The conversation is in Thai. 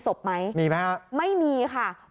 คุณผู้ชมฟังข่าวนี้มาจนถึงตอนนี้ตกใจใช่ไหมแล้วอยากรู้ใช่ไหม